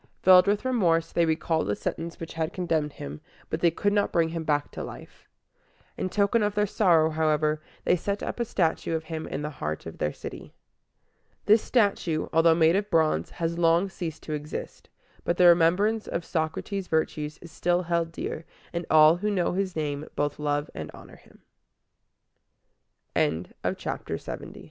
Filled with remorse, they recalled the sentence which had condemned him, but they could not bring him back to life. In token of their sorrow, however, they set up a statue of him in the heart of their city. This statue, although made of bronze, has long ceased to exist; but the remembrance of Socrates' virtues is still held dear, and all who know his name both love and honor him. LXXI. THE DEFEAT OF CYR